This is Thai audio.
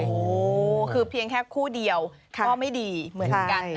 โอ้โหคือเพียงแค่คู่เดียวก็ไม่ดีเหมือนกันนะ